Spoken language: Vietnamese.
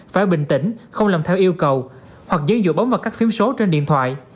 phải bình tĩnh không làm theo yêu cầu hoặc giấy dụ bóng và cắt phím số trên điện thoại